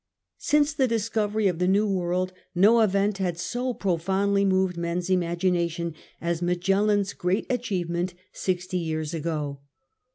Since the discovery of the New World no event had so profoundly moved men's imagination as Magellan's great achievement sixty years ago.